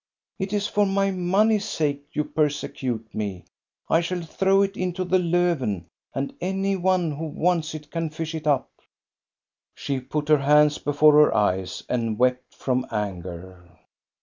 It is for my money's sake you persecute me. I shall throw it into the Lofven, and any one who wants it can fish it up." She put her hands before her eyes and wept from anger.